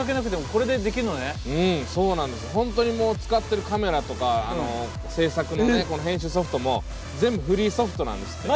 本当にもう使ってるカメラとか制作の編集ソフトも全部フリーソフトなんですって。